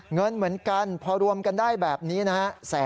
เงินเหมือนกันพอรวมกันได้แบบนี้นะฮะ